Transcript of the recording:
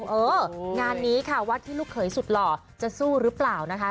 เอองานนี้ค่ะวัดที่ลูกเขยสุดหล่อจะสู้หรือเปล่านะคะ